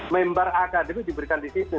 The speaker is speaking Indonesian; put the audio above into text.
member akademi diberikan di situ